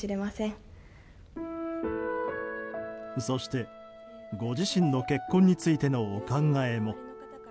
そして、ご自身の結婚についてのお考えも。